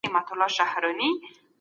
زه هڅه کوم چې خپل ژوند بهتر کړم.